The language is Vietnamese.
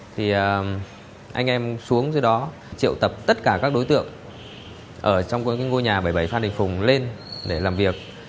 thì anh em xuống dưới đó triệu tập tất cả các đối tượng ở trong ngôi nhà bảy mươi bảy phan đình phùng lên để làm việc